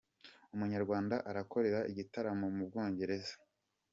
Umunyarwanda arakorera igitaramo mubwongereza